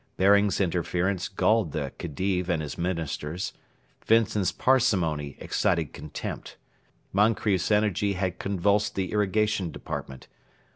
Baring's interference galled the Khedive and his Ministers. Vincent's parsimony excited contempt. Moncrieff's energy had convulsed the Irrigation Department.